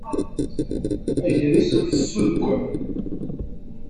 Agris ifessu deg waman.